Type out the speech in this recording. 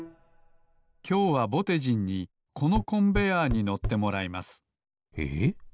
きょうはぼてじんにこのコンベアーに乗ってもらいますええっ？